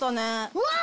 うわ！